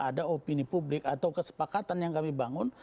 ada opini publik atau kesepakatan yang kami bangun